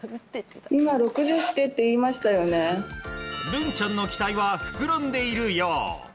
るんちゃんの期待は膨らんでいるよう。